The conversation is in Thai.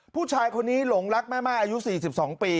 ผู้ชายคนนี้หลงรักแม่ไม่อายุสี่สิบสองปี